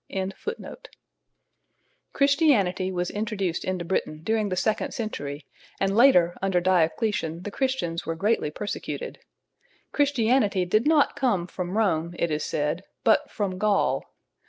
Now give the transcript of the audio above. ] Christianity was introduced into Britain during the second century, and later under Diocletian the Christians were greatly persecuted. Christianity did not come from Rome, it is said, but from Gaul.